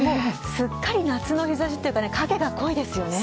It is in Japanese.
すっかり夏の日差しというか影が濃いですよね。